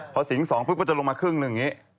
ถ้าสิงห์สองก็จะลงมาครึ่งหนึ่งอย่างนี้